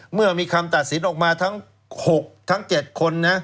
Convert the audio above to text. เมื่อมีคำตัดสินออกมาทั้ง๖ทั้ง๗คนนะ